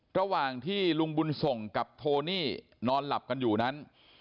ระหว่างที่ลุงบุญส่งกับโทนี่นอนหลับกันอยู่นั้น